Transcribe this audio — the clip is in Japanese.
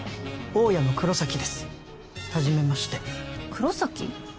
大家の黒崎です初めまして黒崎？